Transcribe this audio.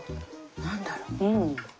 何だろう？